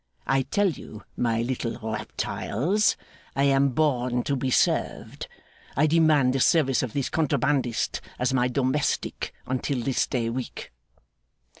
I tell you, my little reptiles, I am born to be served. I demand the service of this contrabandist as my domestic until this day week.